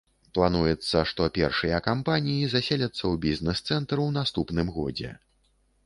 Плануецца, што першыя кампаніі заселяцца ў бізнес-цэнтр у наступным годзе.